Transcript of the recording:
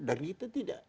dan kita tidak